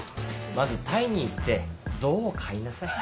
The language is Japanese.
まずタイに行ってゾウを買いなさい。